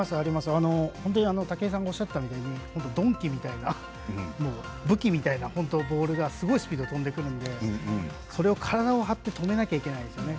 本当に武井さんがおっしゃったみたいに鈍器みたいな武器みたいなボールが本当にボールがすごいスピードで飛んでくるのでそれを体を張って止めないといけないんですね。